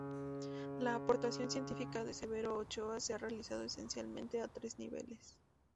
La aportación científica de Severo Ochoa se ha realizado esencialmente a tres niveles.